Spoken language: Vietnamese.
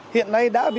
hiện nay đã bị phá hủy